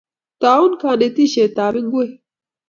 Tau kanetishet ab ng'wek